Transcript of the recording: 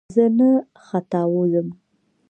زه نه ختاوزم !